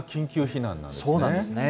そうなんですね。